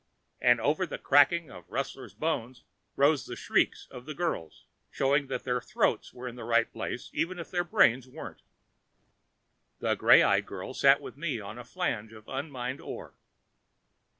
And over the cracking of wrestler's bones rose the shrieks of the girls, showing that their throats were in the right place, even if their brains weren't. The gray eyed girl sat with me on a flange of unmined ore.